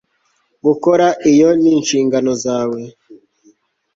Gukora iyo ni inshingano zawe